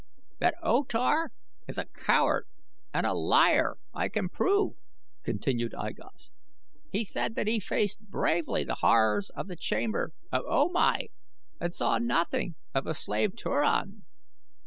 "That O Tar is a coward and a liar I can prove," continued I Gos. "He said that he faced bravely the horrors of the chamber of O Mai and saw nothing of the slave Turan.